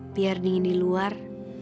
agar dingin di luar